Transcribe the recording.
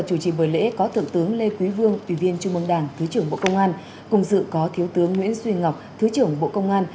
cùng dự có thượng tướng lê quý vương ủy viên trung mương đảng thứ trưởng bộ công an cùng dự có thiếu tướng nguyễn xuyên ngọc thứ trưởng bộ công an